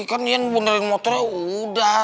kan ian benerin motornya udah